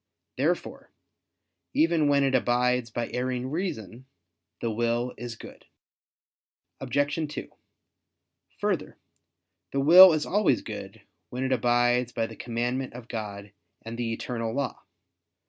Therefore even when it abides by erring reason, the will is good. Obj. 2: Further, the will is always good, when it abides by the commandment of God and the eternal law.